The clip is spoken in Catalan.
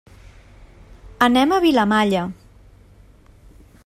Anem a Vilamalla.